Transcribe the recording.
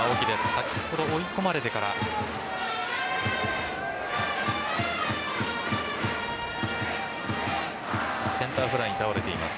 先ほど追い込まれてからセンターフライに倒れています。